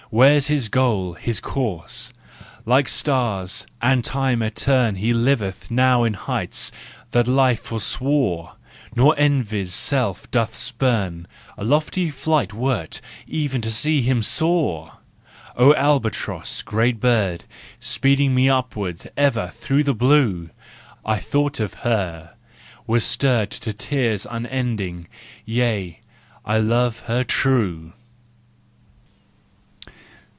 Where's his goal, his course ? Like stars and time eterne He liveth now in heights that life forswore, Nor envy's self doth spurn : A lofty flight were't, e'en to see him soar! Oh albatross, great bird, Speeding me upward ever through the blue! I thought of her, was stirred To tears unending—yea, I love her true!